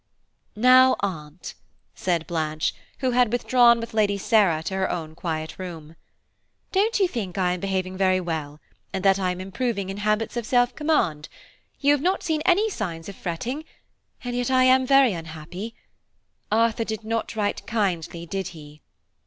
"Now, Aunt," said Blanche, who had withdrawn with Lady Sarah to her own quiet room, "don't you think I am behaving very well, and that I am improving in habits of self command? You have not seen any signs of fretting, and yet I am very unhappy. Arthur did not write kindly, did he?"